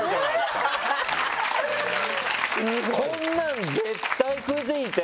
こんなん絶対食い付いて。